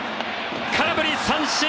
空振り三振！